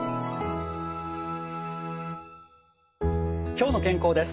「きょうの健康」です。